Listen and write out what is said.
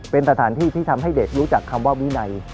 เป็นสถานที่ที่ทำให้เด็กรู้จักคำว่าวินัย